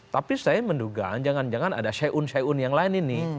tapi saya menduga jangan jangan ada syae un syae un yang lain ini